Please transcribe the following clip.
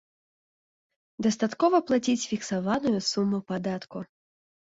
Дастаткова плаціць фіксаваную суму падатку.